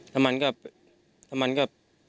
และมันก็